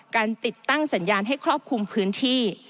การติดตั้งสัญญาณให้ครอบคลุมพื้นที่